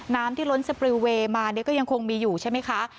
น้ำที่ล้นสปริลเวย์มาก็ยังคงมีอยู่ใช่ไหมคะ